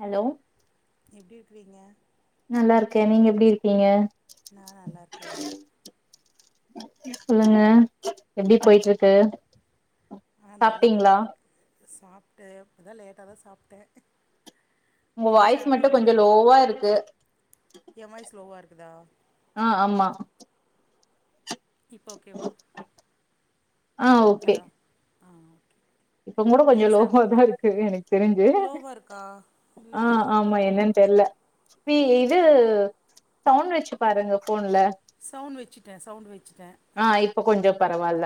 Hello. எப்டி இருக்கிருறீங்க. நல்லா இருக்க நீங்க எப்டி இருக்கீங்க. நான நல்லா இருக்கே. சொல்லுங்க எப்டி போயிட்டு இருக்கு. ஆஹ நல்லா சாப்ட்டீங்களா போயிட்டு இருக்கு சாப். ப்ட்டு இப்ப லேட்டாதா சாப்ட. உங்க வாய்ஸ் மட்டும் கொஞ்சோ லோவா இருக்கு. எ வாய்ஸ் ஸ்லோவா இருக்குதா ஆஹ ஆமா. இப்ப ஓகேவா. ஆஹ ஓகே. ஹலோ ஆ ஓகே இப்ப கூட கொஞ்சோ நீங்க சாப் லோவாதா இருக்கு எனக்கு தெரிஞ்சு. லோவா இருக்கா ஆஹ இல்லையே ஆமா என்னன்னு தெரியல. பி இது சவுண்ட் வச்சு பாருங்க போன்ல. ட சவுண்ட் வச்சு. ஆஹ் இப். இப்ப கொஞ்சோ பரவால்ல.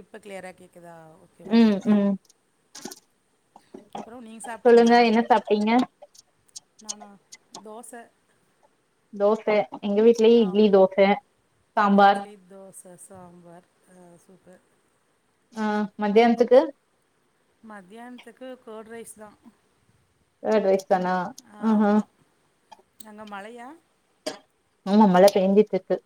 இப்ப கிளியரா கேக்குதா ஓகே ஓகே. ம் ம் அப்றோ நீங்க சொல்லுங்க சாப்ட்டீங்களா என்ன சாப்டீங்க. நானா தோச. தோச. எங்க வீட்லயே இட்லி ஆமா தோச சாம்பார். ச சாம்பார் ஹ சூப்பர். ஆஹ மதியானத்துக்கு. மதியானத்துக்கு கோர்டு ரைஸ்தா. கோர்டு ரைஸ்தானா ஆஹா. யா. ஆமா மழ பெயிஞ்சிட்டு இருக்கு.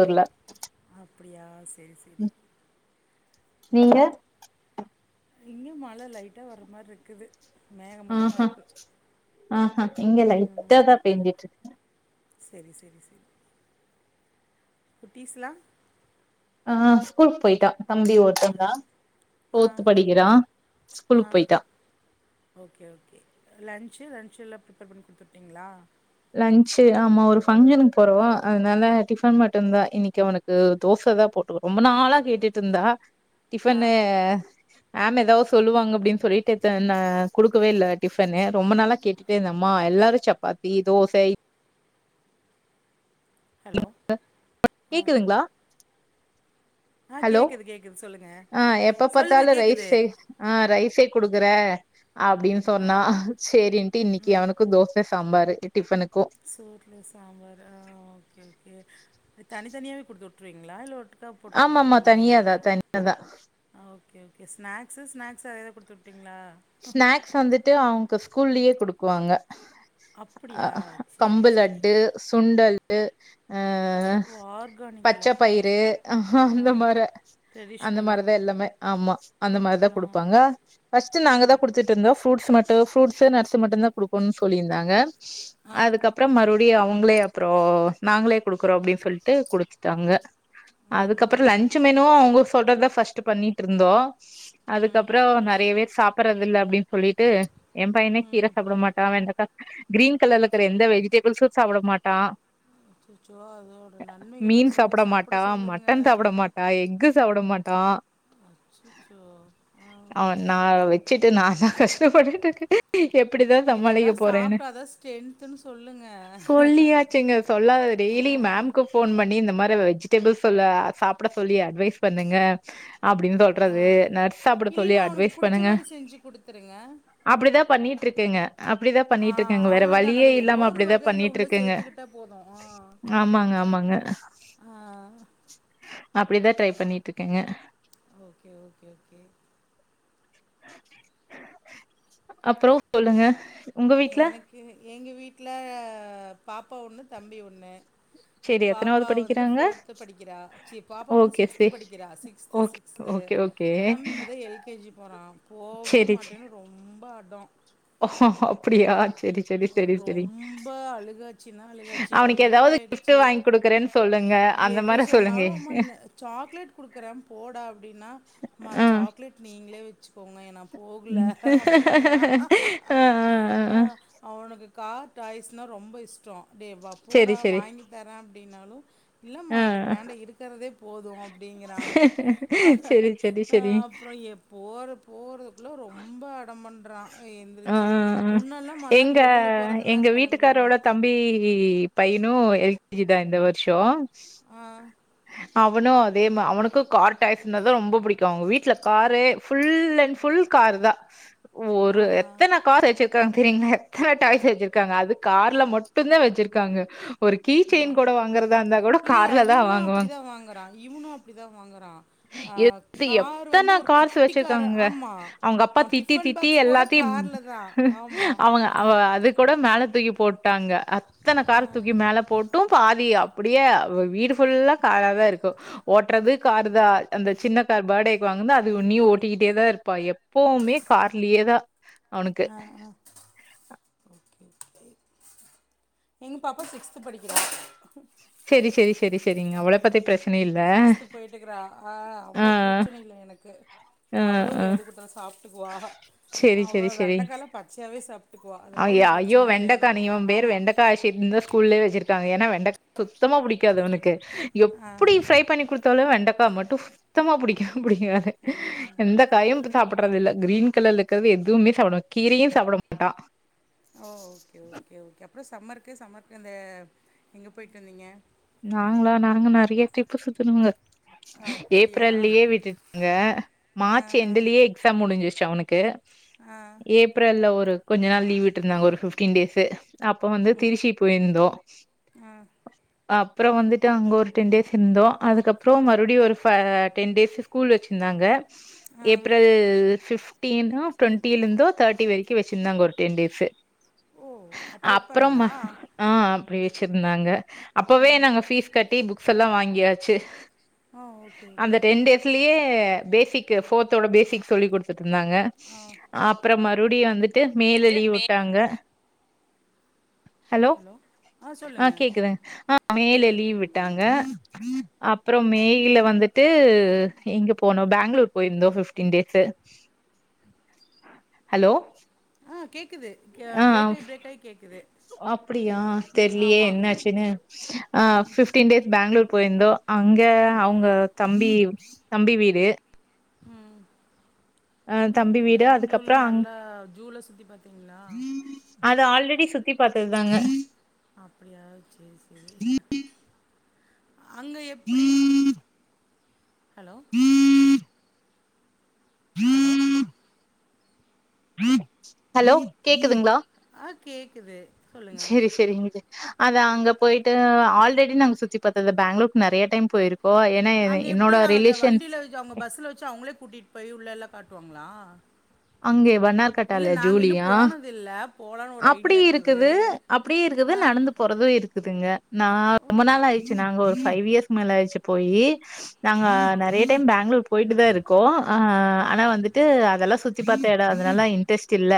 ஆ அப்படியா சரி சரி உம். நீங்க. இங்கும் மழ லைட்டா வர்ர மாரி இருக்குது. மேகமூட்டமாக ஆஹ்ஹ் இருக்குது ஆஹ்ஹ் இங்க லைட்டா தா பேய்சிட்டு இருக் செரி செரி செரி குட்டீஸ்லா ஆஹ் ஸ்கூலுக் போயிட்டா தம்பி ஒருத்த ஆ தா ஆ ஃபோர்த் படிக்கிறா ஆ ஸ்கூலுக்கு போயிட்டா லஞ்ச்ல்லாம் ப்ரிப்பேர் பண்ணிடுத்துட்டீங்களா லஞ்சி ஆமா ஒரு ஃபங்க்ஷனுக்கு போறோ அதனால டிபன் மட்டுந்தா இன்னிக்கு அவனுக்கு தோசை தா போட்டு ரொம்ப நாளா கேட்டுட்டு இருந்தா ஆ டிபனு மேம் ஏதாவது சொல்லுவாங்க அப்டின்னு சொல்லிட்டு த நா கொடுக்கவே இல்ல டிபனு ரொம்ப நாளா கேட்டுட்டே இருந்தே அம்மா எல்லாரு சப்பாத் தி தோச ஹலோ [inaudible] ஆ கேக்குதுங்களா ஆ ஹலோ கேட்குது கேட்குது சொல்லுங்கள் ஹ எப்ப பார்த்தாலு சொல்லுங்கள் கேட்குது ரைஸே ஆஹ் ரைஸே குடுக்குற அப்டின்னு ஆ சொன்னா செரின்டு இன்னிக்கு அவனுக்கு தோச சாம்பாரு டிபன்க் சோர்ல சாம்பார் ஆஹ் ஓகே-ஓகே தனி தனியாவே கொடுத்து விட்டுருவீங்களா இல்ல ஒட் புல்லா போட்டு ஆமாமா கொடுத்துட்டுருவீங்களா தனியாதா தனியாதா ஹ ஓகே ஓ ஸ்நாக்ஸு ஸ்நாக்ஸ் அதேதா கொடுத்துட்டீ ஸ்நாக்ஸ் வந்துட்டு அவுங்க ஸ்கூல்லயே குடுக்குவாங்க அப்படியா ஹ சேரி சேரி கம்புலட்டு சுண்டல் எ அ ஓ ஆர்கானிக்ல பச்சை ஆ பயிறு ஆ அந்த மாரே அந்த ட்ரெடிஷ்னலா மாரி தா எல்லாமே ஆமா அந்த மாரி ஆ தா குடுப்பாங்க ஃபஸ்ட் நாங்கதா ம் கொடுத்துட்டுந்தோ ஃப்ரூட்ஸ் மட்டு ஃப்ரூட்ஸ் நட்ஸ் மட்டு தா குடுக்கணு சொல்லிருந்தாங்க ஆ அதுக்கப்புறோ மறுப டியே அவங்களே அப்புறோ நாங்களே குடுக்குறோ அப்டின்னு சொல்லிட்டு குடுத்துட்டாங்க அதுக்கப்புற ம் லஞ்ச் மெனு அவுங்க சொல்றத ஃபஸ்ட் பண்ணிட்டு இருந்தோ ம் அதுக்கப்புறோ நிறையவே சாப்பிடறதில்ல அப்டின்னு சொல்லிட்டு என் பையன கீரை சாப்பிட மாட்டா வெண்டக்கா கிரீன் கலர்ல இருக்கிற எந்த வெஜிடேபிள்ஸும் சாப்பிட மாட்டா அச்சச்சோ அதோட மீன் நன்மைகள்ல்லாம் சொல்லி சாப்ட சாப்பிட சொல்லுங்க சாப்பிட மாட்டான் அச்சச்சோ ஆஹ் அவன் நா வச்சுட்டு நான்தான் கஷ்டப்பட்டுட்டு இருக்கேன் எப்படிதான் இதெல்லா சமாளிக்க போறேன்னு சாப்ட்டாதா ஸ்ட்ரென்த்துன்னு சொல்லுங்க சொல்லியாச்சுங்க சொல்லாத ஆ டெய்லி மேம்கு போன் பண்ணி இந்த மாரி வெஜிடபிள் சொல்ல சாப்ட சொல்லி அட்வைஸ் பண்ணுங்க அப்படின்னு ஆ சொல்றது நட்ஸ் சாப்ட சொல்லி இல்லின்னா அவனுக்கு அட்வைஸ் புடிச்ச பண்ணுங்க மாரி செஞ்சு குடுத்துருங்க ட்டு இருக்கங்க அப்படிதான் ஆ பண்ணிட்டு இருக்கேங்க வேற அவ்ளோதா வழியே நம்ம ஏதோ இல்லாம ஒரு அப்டிதான் வகையில பண்ணிட்டு உள்ள இருக்கங்க சேத்துக்கிட்டா போது ஆ ஆமாங்க ஆமாங்க ஆ அப்படிதான் ட்ரை பண்ணிட்டு இருக்கேங்க ஓகே ஓகே ஓகே அப்புறம் சொல்லுங்க உங்க வீட்ல எனக்கு எங்க வீட்ல பாப்பா ஒன்னு தம்பி ஒன்னு செரி எத்தனாவது பாப்பா வந்து படிக்கிறாங்க ஃபோர்த்து படிக்கிறா ச்சி ஓகே சே சிக்ஸ்து படிக்கிறா sixth okay sixth okay okay தம்பி இப்போதான் எல்கேஜி போறான் போவே செரி செ மாட்டேன்னு ரொம்ப அடம் அப்டியா செரி செரி செரி செரி ரொம்ப அழுகாச்சுனா அழுகாச்சு அவனுக்கு ஒன் வீக் ஏதாவது கிஃப்ட் ஆயிடுச்சு வாங்கி குடுக்குறேன்னு சொல்லுங்க அந்த எது மாரி சொல்லுங்க சொன்னாலும் அம்மா சாக்லேட் குடுக்கறேன் போடா அப்படின்னாம்மா சாக்லேட் நீங்களே வச்சுக்கோங்க ஏனா உம் ஆஹ் ஆஹ் ஆஹ் கார் டாய்ஸ்னா ரொம்ப இஷ்டம் டேய் வா போடா செரி செரி வாங்கி தரேன் அப்படின்னாலும் இல்லம்மா ஆ எனக்கு வேண்டா இருக்கிறதே போதும் அப்படிங்கிறான் செரி செரி செரி அப்புறம் எப்போ ஊரு னு ரொம்ப அடம்பண் ரா ஆ எந்திருச்சு ஆ ஆ முன்னெல்லாம் எங்க மலான்னு வெளியில் போகிறதுனா எங்க வீட்டுக்காரோட கிளம்பிடுவான் தம்பி பையனும் எல் கேஜி தான் இந்த வருஷம் ஆஹ் அவனும் அதே அவனுக்கும் கார் டேக்ஸி தான் ரொம்ப பிடிக்கும் அவங்க வீட்டுல car full and full car தான் ஒரு ஆஹா எத்தன கார் வச்சு கான்கிரிங்க எத்தன டாய்ஸ் வெச்சிருக்காங்க அது கார்ல மட்டுதா வெச்சிருக்காங்க ஒரு கீ ஆ செயின் கூட வாங்றதா இருந்தா கூட கார்ல தா வாங் அப்டி தா வாங்கறா இவனும் அப்டி தா வாங்றா எத் கார் வந்து எத்தன ஒரு கார்ஸ் குட்டி கார் வச்சிருக்காங்க ஆமா அவங்க அப்பா அவன் திட்டி டிபன் திட்டி பாக்ஸ் கூட எல்லாத்தையும் கார்ல தா ஆமா அவங்க அவ அது கூட மேல தூக்கி போட்டாங்க அத்தன கார தூக்கி மேல போட்டும் பாதி அப்டியே வீடு புல்லா அழகா இருக்கும் ஓட்டுறது காரு தான் அந்த சின்ன கார் பர்டேக்கு வாங்குனது அது உண்ணி ஓட்டிக்கிட்டே தான் இருப்பான் எப்பவுமே கார்லேதான் ஆஹ் ஆஹ் எங் பாப்பா சிக்ஸ்து படிக்கிறா சேரி சேரி சேரி சேரிங்க அவள பத்தி பேஸ் சிக்ஸ்து போயிட்டுக்றா ஆ அவ பிரச்சன இல்ல எனக்கு ஆ அவ்ளு ஆ எது குடுத்தாலு சாப்ட்டுக்குவா செரி அவ செரி செரி வெண்டைக்கால பச்சையாவே சாப்ட்டுக்குவா அதெல்லா ஐய ஒண்ணும் ஐயோ பிரச்சனயே இல்ல வெண்டக்கா நீ எனக்கு இவன் பேரு ஆமா வெண்டக்கா ஆஷித்ன்னு தான் ஸ்கூல்லயே வச்சிருக்காங்க. [unintelligible] சுத்தமா பிடிக்காது இவனுக்கு ஆ எப்புடி ஃப்ரை பண்ணி குடுத்தாலும் வெண்டக்கா மட் சுத்தமா புடிக்கும் புடிக்கா எந்த காயும் பு சாப்றது இல்ல கிரீன் கலர் இருக்கிறது எதுவுமே சாப்ட கீரையும் சாப்ட மாட்டான் ஓ ஓகே ஓகே ஓகே அப்பற சம்மர் கே சம்மர்கே இத எங்கே போய்ட்டு வந்தீங்க நாங்களா நாங்க நறைய ட்ரிப்பு சுத்தணுங்க அப்படியா ஏப்ரல்லயே விட்டுங்க ஆ மார்ச் ஆ எண்டு்லயே எக்ஸாம் முடிஞ்சிரிச் ச்ச அவனுக்கு ஆ ஏப்ரல்ல ஒரு கொஞ்ச நாள் லீவ்விட்ருந்தாங்க ஒரு ஃபிப்டீ டேஸ் அப்போ வந்து ம் திருசி போயிருந்தோம் ஆ அப்புறம் வந்துட்டு அங்க ஒரு டென் டேஸ் இருந்தோம் அதுக்கப்புறம் மறுடியும் ஒரு டென் டேஸ் ஸ்கூல் வச்சிருந்தாங்க ஆ ஏப்ரல் ஃப் தீனப் டொண்டிலருந்து தேர்ட்டி வரைக்கு வச்சிருந்தாங்க ஒருடென் டேஸ் ஓ அப்படி அப்றம் வைப்பாங்களா ஆஹ் பிரேச் வச்ருந்தாங்க ஆ அப்பவே நாங்க ஃபீஸ் கட்டி புக்ஸ் எல்லா வாங்கியாச்சி ஆ ஓகே ஓகே அந்த டென் ஓகே டேஸ்லயே பேசிக் ஃபோர்தோட பேசிக் சொல்லி குடுதுட் இருந்தாங்க ஆ அப்புறமாத மறுபடியும் வந்துட்டு ட்டு மே ல வந்துட்டு லீவ் மே வுட்டாங்க ஹலோ ஆ சொல்லுங்க ஆஹ் கேக்குது மேலெ‌ கேட்குது லீவ் விட்டாங்க அப்றம் மேயில வந்துட்டு எங்க போனோ பெங்களூர் போயிருந்தோ ஃபிஃப்ட்டின் டேஸு ஹலோ அ கேக் ஆ அப்புடியா தெர்லியே ஆமா என்னாச்சுன்னு ஆ ஃபிஃப்டீன் டேஸ் பெங்களூர் போயிந்தோ அங்க ம் அவுங்க தம்பி தம்பி வீடு உம் அ தம்பி ஓகே வீடு பெங்களூர்ல அதுக்கப்புறம் அங் நல்லா ஜூ ல சுத்தி பாத்தீங்ளா டி சுத்தி பாத்ததுதாங்க அப்புடியா சேரி சேரி அங்க எப்புடி ஹலோ ஹலோ ஹலோ கேக்குதுங்ளா கேக்குது சேரி சேரி இங்க அது அங்க போயிட்டு ஆல்ரெடி நாங்க சுத்தி பாத்தது பெங்களூருக்கு நெறைய டைம் போயிருக் அங்க எப்டி அத வண்டில அவுங்க பஸ்ல வச்சு அவுங்களே கூட்டிட் போய் உள்ள எல்லா காட்டுவாங்ளா அங்கே வன்னார் கட்டால ஜூலியா போனதில்ல போலான்னு ஒரு அப்புடி ஐடியா இருக்குது அப்டியே இருக்குது ஆ நடந்து போறது இருக் குதுங்க நா ரொம்ப நாள் ஆயிச்சு நாங்க ஒரு ஃபைவ் இயர்ஸ் மேல ஆயிச்சு போயி நாங்க ஆ நெறைய டைம் பெங்களூர் போயிட்டு தா இருக்கோ ஆ ஆ ஆனா வந்துட்டு அதெல்லா சுத் தி பாத்த எடொ அதுனால இன்ட்ரெஸ்ட் இல்ல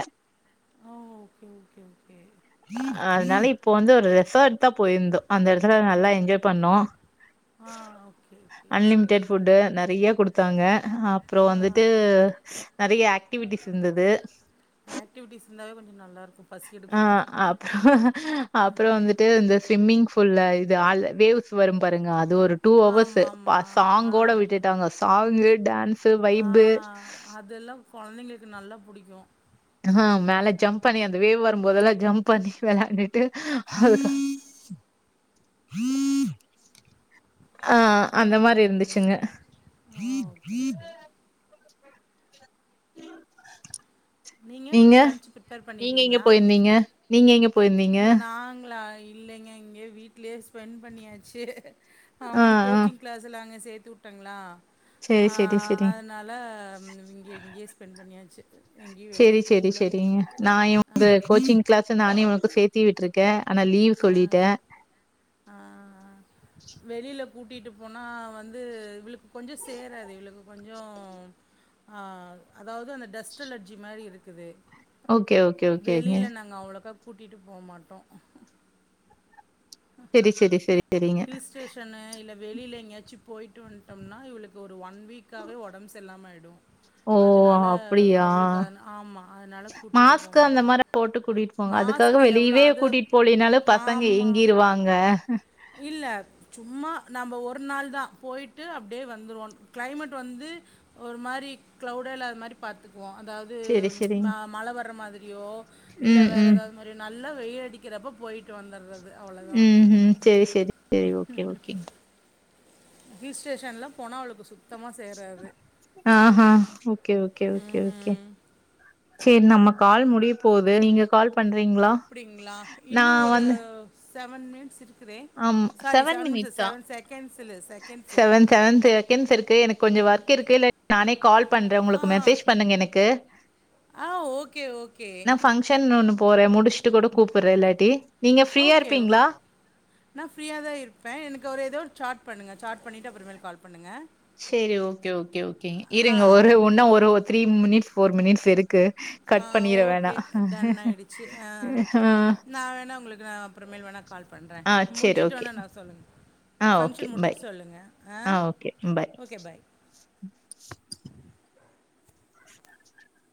ஓ ஓகே ஓகே ஓகே அதுனால இப்போ வந்து ஒரு ரெசார்ட் தா போயிருந்தோ அந்த எடத்துல நல்லா என்ஜாய் பண்ணோ ஆ ஓகே ஓகே அன்லிமிடெட் புஃட்டு நெறைய குடுத்தாங்க ஆ அப்புறொ வந்துட்டு நெறைய ஆக் டிவிட்டிஸ் இந்தது ஆக்டிவிட்டிஸ் இருந்தாவே கொஞ்சொ நல்லா இருக்கூ ஆ அப்புற அப்புறோ வந்துட்டு இந்த ஸ்விம்மிங் ஃபூல்ல இது அ வேவ்ஸ் வரும் பாருங்க அ து ஒரு டூ அவர்ஸு ஆமா ப ஆமா சாங்கோட விட்டுட்டாங்க சாங்கு டான்ஸ் ஆஹ் அதெல்லாம் குழந்தைங்களுக்கு நல்லா புடிக் கும் ஆஹ் மேல ஜம்ப் பண்ணி அந்த வேவ் வரும்போதெல்லாம் ஜம்ப் பண்ணி விளையாண்டுட்டு ஆஹ் ஆஹ் அந்த மாதிரி இருந்துச்சுங்க ஓகே ஓகே [unintelligible] நீங்க லன்ச் பிர்ப்பேர் பண்ணிட்டீங்களா நீங்க எங்க போயிருந்தீங்க நாங்களா இல்லைங்க இங்க வீட்லயே ஸ்பெண் பண்ணியாச்சு ஆ அவுங்க ஆ கோச்சிங் கிளாஸ்ல அங்க சேர்த் துட்டங்களா சேரி சேரி ஆஹ் சேரி அதனால இங்க இங்கேயே ஸ்பெண் பண்ணியாச்சு எங்கேயும் செரி வெளியில் செரி போகல செரிங்க நான் ஆ இவுங்க கோச்சிங் கிளாஸ் நானே உனக்கு சேத்தி விட்டுருக்கேன் ஆனா லீவ் ஆ சொல்லிட்டேன் கூட்டிகிட்டு போனா வந்து விழு கொஞ்சம் சேராதே இவ்வளவு கொஞ்சம் ஆஹ் அதாவது அந்த டெஸ்ட் அலர்ஜி மாதிரி இருக்குது ஓகே ஓகே ஓகேங்க கூட்டிகிட்டு போக மாட்டோம் செரி செரி செரி ஹில் ஸ்டேஷன்னு இல்ல வெளியில எங்கயாச்சும் போயிட்டு வந்துட்டோம்னா இவளுக்கு ஒரு ஒன் வீக்காவே உடம்பு சரி இல்லாம ஆயிடு நோ ஓ அப்படியா அது ஆமாம் அதனால கூட்டிகிட்டு போக மாஸ்க் அந்த மாட்டோம் மாதிரி போட்டு கூட்டிட்டு போங்க மாஸ்க் அதுக்காக எவ்வளோ வெளியவே அது கூட்டிட்டு போலனாலும் பசங்க ஆமாம் ஏங்கிருவாங்க இல்லை சும்மா நம்ம ஒரு நாள் தான் போய்ட்டு அப்படியே வந்துடுவோம் கிளைமேட் வந்து ஒரு மாதிரி க்ளவுடே இல்லாத மாதிரி பார்த்துக் வோம் அதாவது சரி, சரிங்க. மழை வர்ற மாதிரியோ இல்ல ம், வேற ம், ஏதாவது மாதிரியோ நல் நல்லா வெயில் அடிக்கிறப்போ போயிட்டு வந்துடுறது அவ்வளோதான் உம் உம் செரி செரி செரி ஓகே ஓகேங்க ஹில் ஸ்டேஷன்லாம் போனா அவளுக்கு சுத் ஆஹ்ஹ் ஓகே ஓகே ஓகே ஓகே சேரி நம்ம கால் முடிய போகுது நீங்க கால் பண்றீங்களா? அப்டிங்களா இன்னும் நான் ஒரு வந்து செவன் மினிட்ஸ் இருக் sorry seven mins seven seconds இல்லை செகண்ட்ஸு செவன் செவன் செகண்ட்ஸ் இருக்கு எனக்கு கொஞ்சம் ஒர்க் இருக்குல்ல நானே கால் பண்றேன் உங்களுக்கு மெசேஜ் பண்ணுங்க எனக்கு ஆஹ் ஓகே ஓகே போற முடிச்சிட்டு கூட கூப்பிடுறன் இல்லாட்டி நீங்க ஃப்ரீயா ஓகே இருப்பீங்களா? நான் ஃப்ரீயா தான் இருப்பேன் எனக்கு ஒரு ஏதோ ஒரு சாட் பண்னுங்க சார்ட் பண்ணிட்டு அப்புறமேல் கால் பண்னுங்க சரி ஓகே ஓகே ஓகேங்க ஆ இருங்க ஒரு ஓகே இன்னா ஒரு த்ரீ மினிட்ஸ் போர் மினிட்ஸ் இருக் ஆ ஓகே டன் ஆயிடுச்சு ஆ நான் வேணா உங்களுக்கு நான் அப்புறமேல் வேணா கால் பண்றேன் ஆ சரி முடிச்சுட்டு ஓகே. வேணா நான் சொல்லுங்க ஆ ஓகே பாய் ஆ ஓகே பாய்